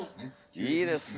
いいですね。